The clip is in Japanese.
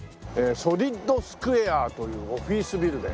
ソリッドスクエアというオフィスビルで。